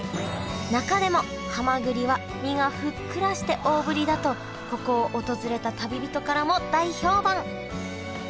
中でもはまぐりは身がふっくらして大ぶりだとここを訪れた旅人からも大評判。